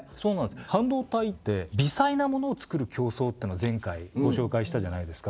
半導体って微細なものをつくる競争っていうのを前回ご紹介したじゃないですか。